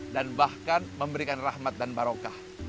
dan bahkan memberikan rahmat dan barokah